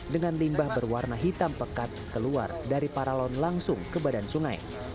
dengan limbah berwarna hitam pekat keluar dari paralon langsung ke badan sungai